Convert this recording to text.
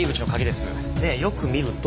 でよく見ると。